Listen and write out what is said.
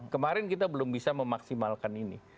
kemarin kita belum bisa memaksimalkan ini